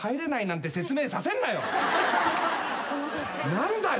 何だよ？